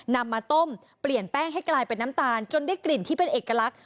นำมาต้มเปลี่ยนแป้งให้กลายเป็นน้ำตาลจนได้กลิ่นที่เป็นเอกลักษณ